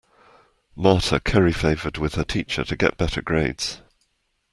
Marta curry favored with her teacher to get better grades.